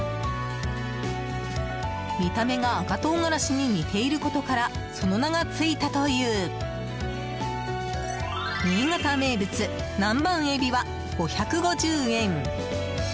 見た目が赤唐辛子に似ていることからその名がついたという新潟名物、南蛮エビは５５０円。